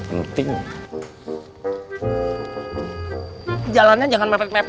mas mungkin harus nyawalah evangel